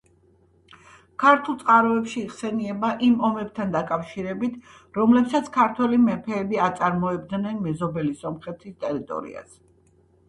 ქართულ წყაროებში იხსენიება იმ ომებთან დაკავშირებით, რომლებსაც ქართველი მეფეები აწარმოებდნენ მეზობელი სომხეთის ტერიტორიაზე.